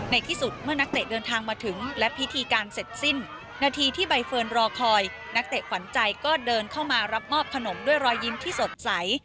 ในที่สุดเมื่อนักเตะเดินทางมาถึงและพิธีการเสร็จสิ้นนาทีที่ใบเฟิร์นรอคอยนักเตะขวัญใจก็เดินเข้ามารับมอบขนมด้วยรอยยิ้มที่สดใส